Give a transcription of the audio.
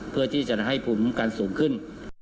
เพื่อที่จะให้ภูมิคุ้มกันสูงขึ้น